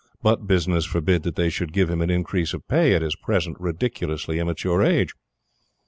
But Business forbid that they should give him an increase of pay at his present ridiculously immature age!